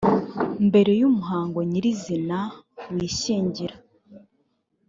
mbere y umuhango nyir izina w ishyingira